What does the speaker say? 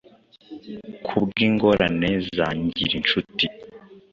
ku bw'ingorane za Ngirincuti